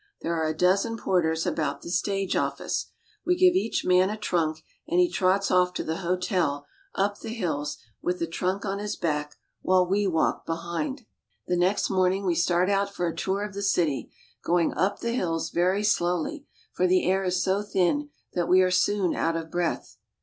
There are a dozen porters about the stage office. We give each man a trunk, and he trots off to the hotel up the hills with the trunk on his back, while we walk behind. The next morning we start out for a tour of the city, go ing up the hills very slowly, for jthe air is so thin that we are soon out of breath.